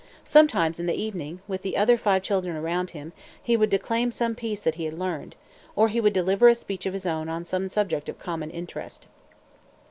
Sometimes in the evening, with the other five children around him, he would declaim some piece that he had learned; or he would deliver a speech of his own on some subject of common interest.